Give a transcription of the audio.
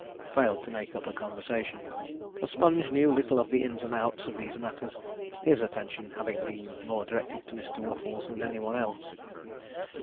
failed to make up a conversation; for Sponge knew little of the ins and outs of these matters, his attention having been more directed to Mr. Waffles than any one else.